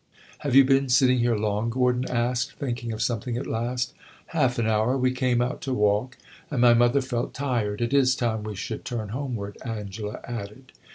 "Have you been sitting here long?" Gordon asked, thinking of something at last. "Half an hour. We came out to walk, and my mother felt tired. It is time we should turn homeward," Angela added.